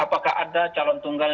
apakah ada calon tunggal